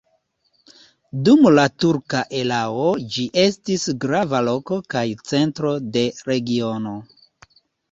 Dum la turka erao ĝi estis grava loko kaj centro de regiono.